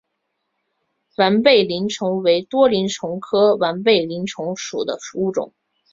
完背鳞虫为多鳞虫科完背鳞虫属的动物。